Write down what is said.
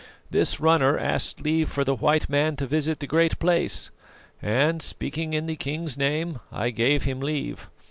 This runner asked leave for the white man to visit the Great Place, and, speaking in the king's name, I gave him leave.